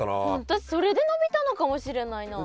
私それで伸びたのかもしれないな。